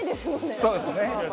そうですね。